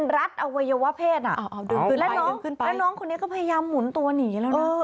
รัดอวัยวะเพศแล้วน้องคนนี้ก็พยายามหมุนตัวหนีแล้วนะ